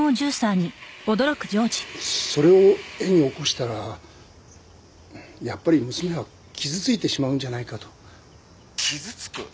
それを画に起こしたらやっぱり娘は傷ついてしまうんじゃないかと傷つく？